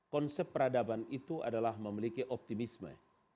konsep peradaban itu adalah memiliki optimisme